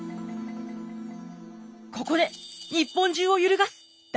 ここで日本中を揺るがす大事件が！